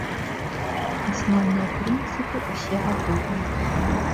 Асноўныя прынцыпы ўсе гатовыя.